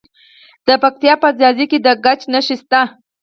د پکتیا په ځاځي کې د ګچ نښې شته.